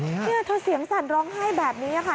เนี่ยเธอเสียงสั่นร้องไห้แบบนี้ค่ะ